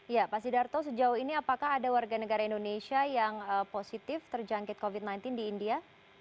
ya pak sidarto sejauh ini apakah ada warga negara indonesia yang positif terjangkit covid sembilan belas di india